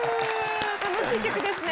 楽しい曲ですね。